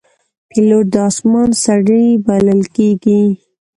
پیلوټ د آسمان سړی بلل کېږي.